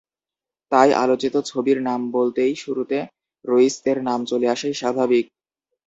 তাই আলোচিত ছবির নাম বলতেই শুরুতে রইস-এর নাম চলে আসাই স্বাভাবিক।